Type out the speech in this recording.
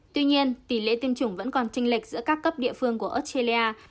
tuy nhiên tỷ lệ tiêm chủng vẫn còn tranh lệch giữa các cấp địa phương của australia